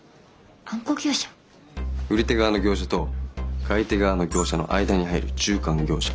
売り手側の業者と買い手側の業者の間に入る中間業者。